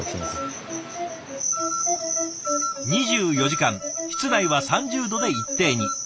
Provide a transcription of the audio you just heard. ２４時間室内は３０度で一定に。